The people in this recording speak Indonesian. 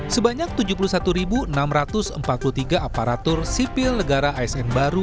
sebanyak tujuh puluh satu enam ratus empat puluh tiga aparatur sipil negara asn baru